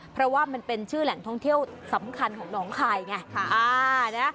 เพราะว่ามันเป็นชื่อแหล่งท่องเที่ยวสำคัญของน้องคายไง